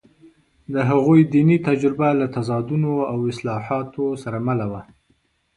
د هغوی دیني تجربه له تضادونو او اصلاحاتو سره مله وه.